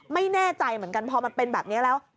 ไม่แน่ใจเหมือนกันพอมันเป็นแบบนี้แล้ว